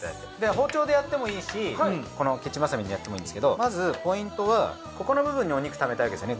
包丁でやってもいいしキッチンばさみでやってもいいんですけどまずポイントはここの部分にお肉ためたいわけですよね